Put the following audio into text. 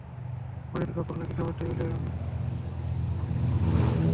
অনিল কাপুর নাকি খাবার টেবিলে বেসামাল হয়ে যাওয়ার ভয়ে থাকেন প্রতি বেলায়।